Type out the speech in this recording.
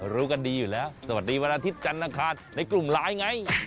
รู้กันดีอยู่แล้วสวัสดีวันอาทิตย์จันทร์อังคารในกลุ่มไลน์ไง